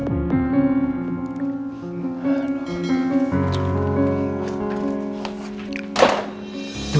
udah lama banget nih album